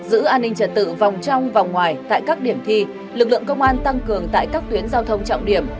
giữ an ninh trật tự vòng trong và ngoài tại các điểm thi lực lượng công an tăng cường tại các tuyến giao thông trọng điểm